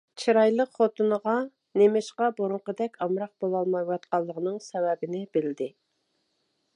چىرايلىق خوتۇنىغا نېمىشقا بۇرۇنقىدەك ئامراق بولالمايۋاتقىنىنىڭ سەۋەبىنى بىلدى.